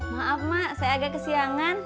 maaf mak saya agak kesiangan